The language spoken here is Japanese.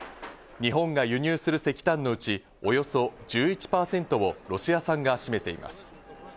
日本が輸入する石炭のうち、およそ１１％をロシア産が占めています。